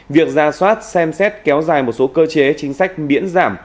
việc ra soát xem xét kéo dài một số cơ chế chính sách miễn giảm